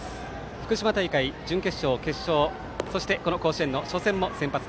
福島大会の準決勝、決勝そしてこの甲子園の初戦も先発。